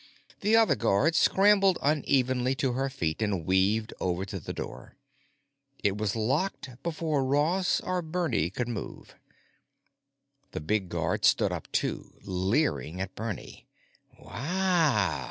The other guard scrambled unevenly to her feet and weaved over to the door. It was locked before Ross or Bernie could move. The big guard stood up too, leering at Bernie. "Wow!"